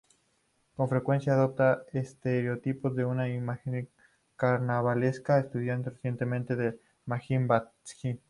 Con frecuencia adopta estereotipos de una imaginería carnavalesca, estudiada recientemente por Mijail Bajtín.